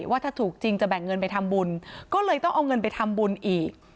ว่าถ้าถูกจริงจะแบ่งเงินไปทำบุญก็เลยต้องเอาเงินไปทำบุญอีก